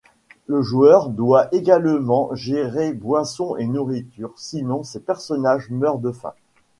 Le joueur doit également gérer boisson et nourriture, sinon ses personnages meurent de faim.